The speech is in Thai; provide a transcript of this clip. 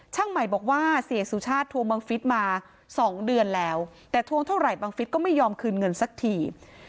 ช่างใหม่บอกว่าเสียสุชาติทวงบังฟิศมา๒เดือนแล้วแต่ทวงเท่าไหบังฟิศก็ไม่ยอมคืนเงินสักที